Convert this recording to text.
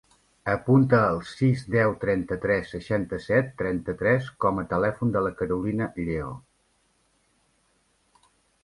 Apunta el sis, deu, trenta-tres, seixanta-set, trenta-tres com a telèfon de la Carolina Lleo.